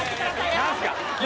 何すか？